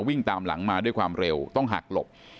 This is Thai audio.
วิ่งตามหลังมาด้วยความเร็วต้องหักหลบ